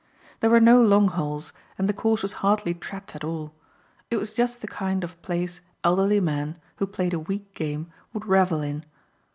There were no long holes and the course was hardly trapped at all. It was just the kind of place elderly men, who played a weak game, would revel in.